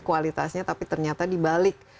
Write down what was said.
kualitasnya tapi ternyata di balik